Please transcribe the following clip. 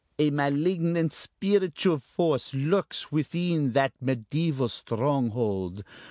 A malignant spiritual force lurks within that mediæval stronghold.